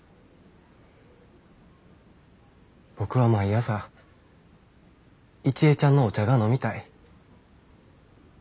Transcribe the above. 僕は毎朝一恵ちゃんのお茶が飲みたい。